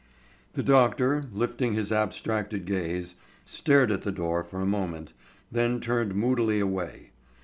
The doctor, lifting his abstracted gaze, stared at the door for a moment, then turned moodily away.